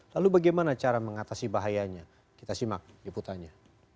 lalu bagaimana cara mengatasi bahayanya kita simak di putanya